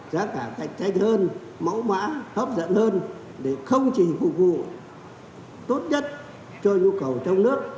giá cả cạnh tranh hơn mẫu mã hấp dẫn hơn để không chỉ phục vụ tốt nhất cho nhu cầu trong nước